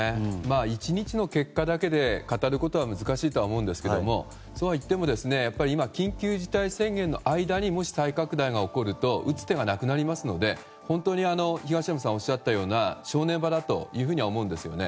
１日の結果だけで語ることは難しいとは思うんですけどもそうはいっても今、緊急事態宣言の間にもし再拡大が起こると打つ手がなくなりますので本当に東山さんがおっしゃったような正念場だとは思うんですよね。